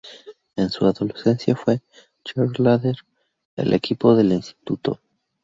En su adolescencia fue "cheerleader" en el equipo del Instituto.